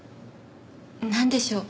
なんでしょう？